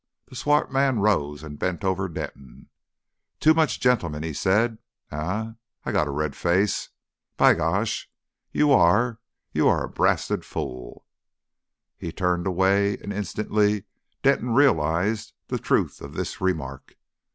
The swart man rose and bent over Denton. "Too much ge'man," he said "eh? I got a red face.... By gosh! you are you are a brasted fool!" He turned away, and instantly Denton realised the truth of this remark.